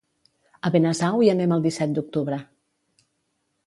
A Benasau hi anem el disset d'octubre.